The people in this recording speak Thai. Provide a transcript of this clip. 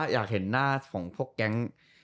อยากเห็นหน้าของพวกแก๊ง